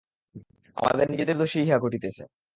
আমাদের নিজেদের দোষেই ইহা ঘটিতেছে।